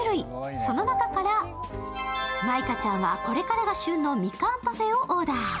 その中から舞香ちゃんは、これからが旬のみかんパフェをオーダー。